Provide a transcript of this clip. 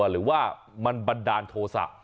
หรือว่ามันบันดาลโทษะ